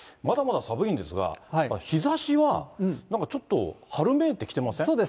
まだまだ寒いんですが、日ざしはなんかちょっと春めいてきてません？